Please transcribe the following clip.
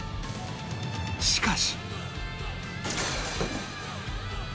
しかし